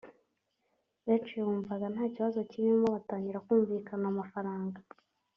benshi bumvaga nta kibazo kirimo batangira kumvikana amafaranga